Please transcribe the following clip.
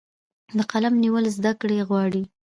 د قلم نیول زده کړه غواړي.